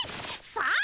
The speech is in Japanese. さあ！